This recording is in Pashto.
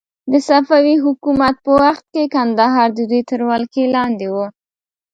د صفوي حکومت په وخت کې کندهار د دوی تر ولکې لاندې و.